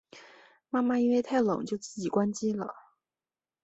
妈妈因为太冷就自己关机了